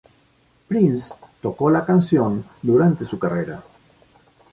Prince tocó la canción durante su carrera.